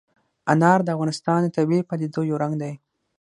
انار د افغانستان د طبیعي پدیدو یو رنګ دی.